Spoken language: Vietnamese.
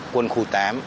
quân khu tám